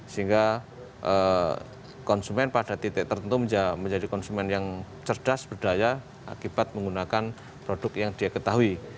sehingga konsumen pada titik tertentu menjadi konsumen yang cerdas berdaya akibat menggunakan produk yang dia ketahui